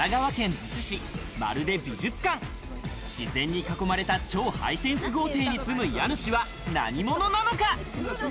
自然に囲まれた超ハイセンス豪邸に住む家主は何者なのか？